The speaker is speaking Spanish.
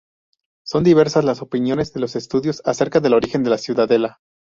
Son diversas las opiniones de los estudiosos acerca del origen de la ciudadela.